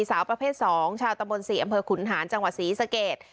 สาวประเภท๒ชาวตะบน๔อำเภอขุนหานจังหวัดศรีสเกต